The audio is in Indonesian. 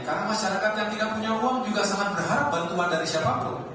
karena masyarakat yang tidak punya uang juga sangat berharap bantuan dari siapapun